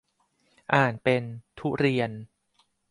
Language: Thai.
อ่านเป็น ทุเรียน